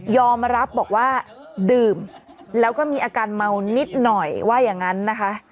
มารับบอกว่าดื่มแล้วก็มีอาการเมานิดหน่อยว่าอย่างนั้นนะคะ